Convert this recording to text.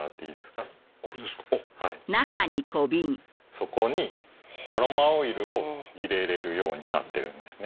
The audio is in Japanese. そこにアロマオイルを入れるようになってるんですね。